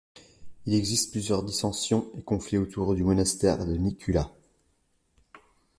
Il existe plusieurs dissensions et conflits autour du monastère de Nicula.